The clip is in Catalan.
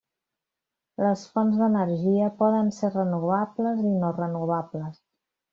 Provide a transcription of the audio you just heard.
Les fonts d'energia poden ser renovables i no renovables.